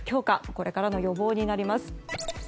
これからの予防になります。